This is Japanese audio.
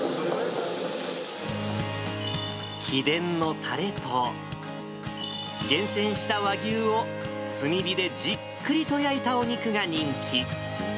秘伝のタレと、厳選した和牛を炭火でじっくりと焼いたお肉が人気。